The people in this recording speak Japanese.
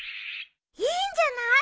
いいんじゃない。